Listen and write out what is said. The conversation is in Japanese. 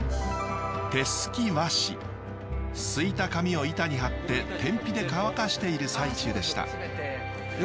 すいた紙を板に張って天日で乾かしている最中でした。